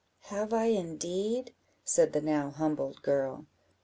"Have I indeed?" said the now humbled girl.